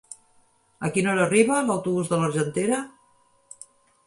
A quina hora arriba l'autobús de l'Argentera?